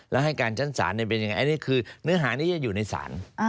แล้วให้การจั้นศาลเป็นอย่างไรเนื้อหานี้จะอยู่ในศาล